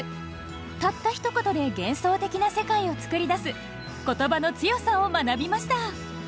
たったひと言で幻想的な世界を作り出す言葉の強さを学びました。